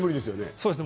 そうですね。